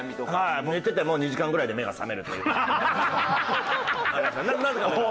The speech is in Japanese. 寝てても２時間ぐらいで目が覚めるっていう。